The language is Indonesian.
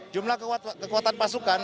jumlah kekuatan pasukan